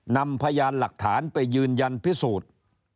นำพยานหลักฐานไปยืนยันพิสูจน์